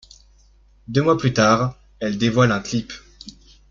Deux mois plus tard, elle dévoile un clip.